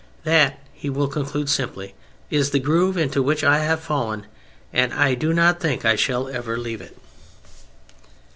That," he will conclude simply, "is the groove into which I have fallen, and I do not think I shall ever leave it."